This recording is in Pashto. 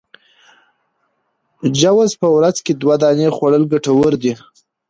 جوز په ورځ کي دوې دانې خوړل ګټور دي